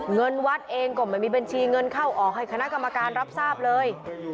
เงินวัดเองก็ไม่มีบัญชีเงินเข้าออกให้คณะกรรมการรับทราบเลย